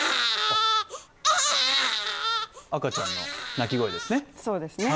赤ちゃんの泣き声ですね。